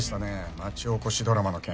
町おこしドラマの件。